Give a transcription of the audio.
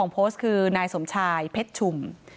โพสต์คือนายสมชายเพชรชุม